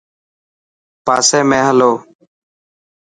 پاسي ۾ هلو.